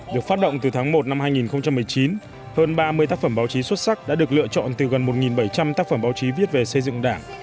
được phát động từ tháng một năm hai nghìn một mươi chín hơn ba mươi tác phẩm báo chí xuất sắc đã được lựa chọn từ gần một bảy trăm linh tác phẩm báo chí viết về xây dựng đảng